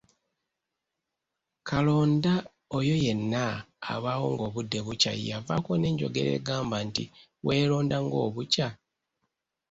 "Kalonda oyo yenna abaawo ng’obudde bukya yeeyavaako n’enjogera egamba nti, “weeronda ng’obukya!"